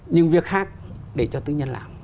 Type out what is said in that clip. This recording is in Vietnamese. nhưng việc khác để cho tư nhân làm